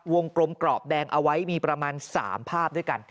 กลมกรอบแดงเอาไว้มีประมาณ๓ภาพด้วยกัน